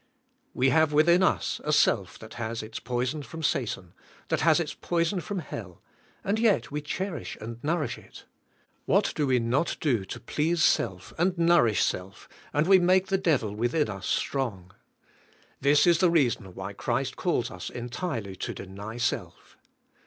We have within us a self that has its poison from Satan, that has its poison from hell and yet we cherish and nourish it. What do we not do to please self and nourish self, and we make the devil within us strong . This is the reason why Christ calls us entirely to deny self.